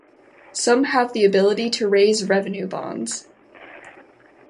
Some have the ability to raise revenue bonds.